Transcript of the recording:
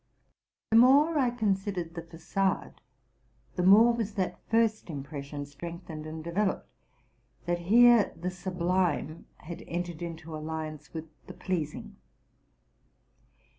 The more I considered the facade, the more was that first impression strengthened and developed, that here the sublime has entered into alliance with the pleasing.